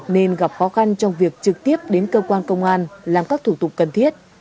nên gặp khó khăn trong việc trực tiếp đến cơ quan công an làm các thủ tục cần thiết